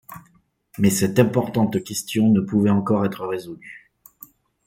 Mais cette importante question ne pouvait encore être résolue